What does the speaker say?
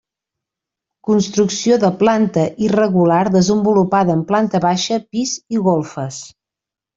Construcció de planta irregular desenvolupada en planta baixa, pis i golfes.